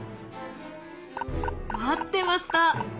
待ってました！